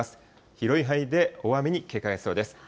広い範囲で大雨に警戒が必要です。